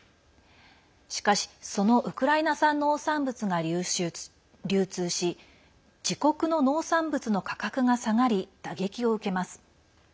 しかしそのウクライナ産農産物が流通し自国の農産物の価格が下がり打撃を受けます。